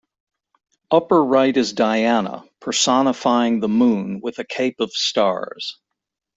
Upper right is Diana, personifying the moon, with a cape of stars.